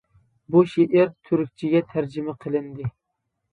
بۇ شېئىر تۈركچىگە تەرجىمە قىلىندى.